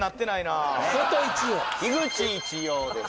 樋口一葉です